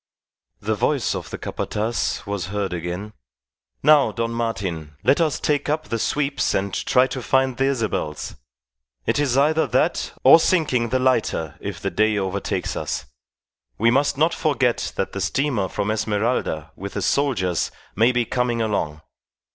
The voice of the Capataz was heard again: "Now, Don Martin, let us take up the sweeps and try to find the Isabels. It is either that or sinking the lighter if the day overtakes us. We must not forget that the steamer from Esmeralda with the soldiers may be coming along.